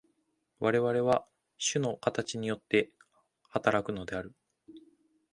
我々は種の形によって働くのである。